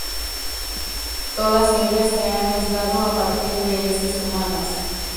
Todas ellas se han aislado a partir de heces humanas.